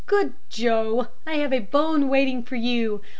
Good Joe, I have a bone waiting for you.